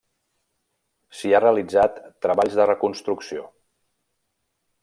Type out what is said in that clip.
S'hi ha realitzat treballs de reconstrucció.